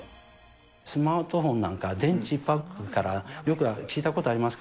スマートフォンなんかは、電池パックから、よく聞いたことありますか？